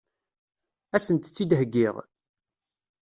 Ad sent-tt-id-heggiɣ?